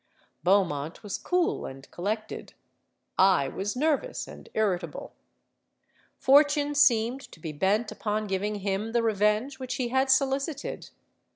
Beaumont was cool and collected: I was nervous and irritable. Fortune seemed to be bent upon giving him the revenge which he had solicited.